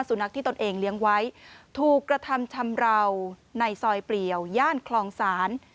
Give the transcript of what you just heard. สุนัขที่ตนเองเลี้ยงไว้ถูกกระทำชำราวในซอยเปลี่ยวย่านคลองศาล